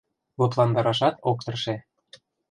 Лыпландарашат ок тырше.